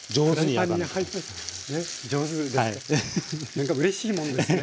何かうれしいものですね。